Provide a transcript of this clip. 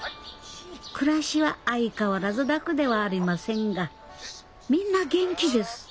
暮らしは相変わらず楽ではありませんがみんな元気です。